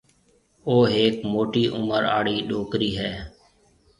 او هيڪ موٽِي عُمر آݪِي ڏوڪرِي هيَ۔